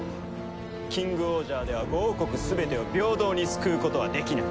キングオージャーでは５王国全てを平等に救うことはできない。